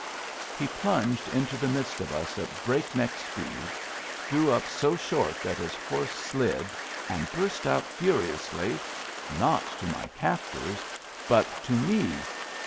He plunged into the midst of us at breakneck speed, drew up so short that his horse slid, and burst out furiously — not to my captors, but to me.